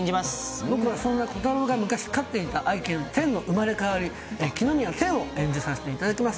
僕はそんな炬太郎が昔、飼っていた愛犬、てんの生まれ変わり、木ノ宮てんを演じさせていただきます。